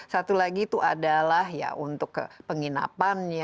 satu lagi itu adalah ya untuk penginapannya